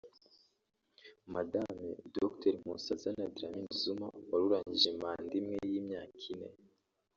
Mme Dr Nkosazana Dlamini Zuma wari urangije manda imwe y’imyaka ine